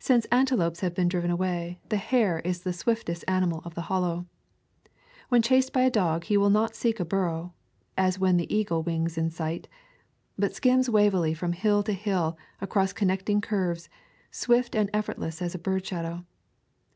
Since antelopes have been driven away, the hare is the swiftest animal of the Hollow. When chased by a dog he will not seek a bur row, as when the eagle wings in sight, but skims wavily from hill to hill across connecting curves, swift and effortless as a bird shadow.